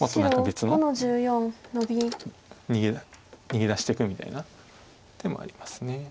逃げ出していくみたいな手もあります。